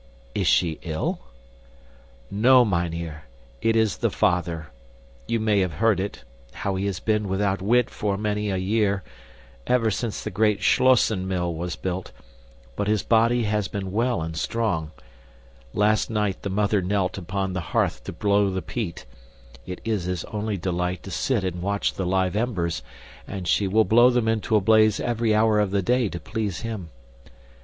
"Is she ill?" "No, mynheer. It is the father. You may have heard it, how he has been without wit for many a year ever since the great Schlossen Mill was built; but his body has been well and strong. Last night the mother knelt upon the hearth to blow the peat (it is his only delight to sit and watch the live embers, and she will blow them into a blaze every hour of the day to please him).